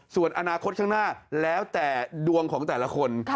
ส่วนอนาคตข้างหน้าแล้วแต่ดวงของแต่ละคน